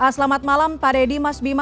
selamat malam pak deddy mas bima